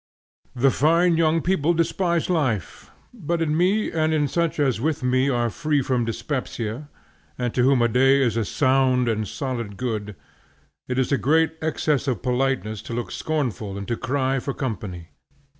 The fine young people despise life, but in me, and in such as with me are free from dyspepsia, and to whom a day is a sound and solid good, it is a great excess of politeness to look scornful and to cry for company.